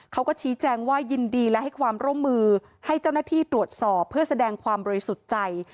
เขาก็ชี้แจงว่ายินดีและให้ความร่วมมือให้เจ้าหน้าที่ตรวจสอบเพื่อแสดงความบริสุทธิ์ใจ